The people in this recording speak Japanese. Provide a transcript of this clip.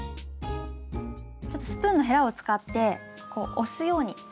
ちょっとスプーンのへらを使ってこう押すように。